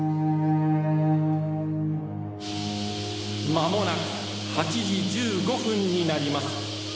「まもなく８時１５分になります」